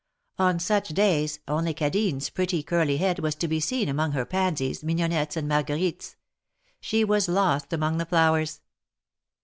On such days, only Cadine's pretty, curly head was to be seen among her pansies, mignonettes and Marguerites; she was lost among the flowers.